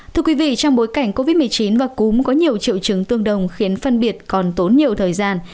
thưa quý vị trong bối cảnh covid một mươi chín và cúm có nhiều triệu chứng tương đồng khiến phân biệt còn tốn nhiều thời gian